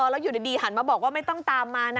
แล้วอยู่ดีหันมาบอกว่าไม่ต้องตามมานะ